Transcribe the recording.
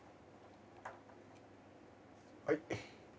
はい。